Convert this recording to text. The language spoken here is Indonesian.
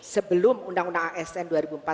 sebelum undang undang asn